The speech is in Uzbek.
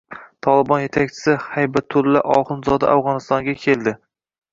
“Tolibon” yetakchisi Haybatulla Oxunzoda Afg‘onistonga keldi